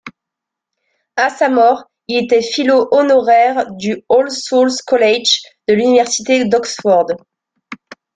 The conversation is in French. À sa mort, il était fellow honoraire du All Souls College de l’université d'Oxford.